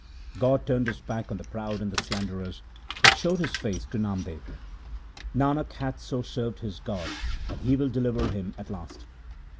God turned His back on the proud and the slanderers, but showed His face to Namdev. Nanak hath so served his God that He will deliver him at last.